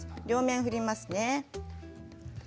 両面を振りますね。